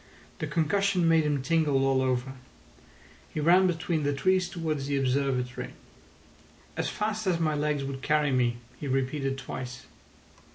The concussion made him tingle all over. He ran between the trees towards the Observatory. "As fast as my legs would carry me," he repeated twice.